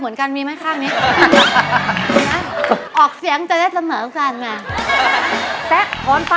ไม่รู้ว่าเขาจะเอาใครส่งขึ้นมานะ